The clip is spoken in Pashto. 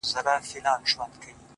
راسه قباله يې درله در کړمه ـ